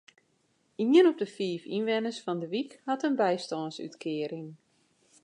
Ien op de fiif ynwenners fan de wyk hat in bystânsútkearing.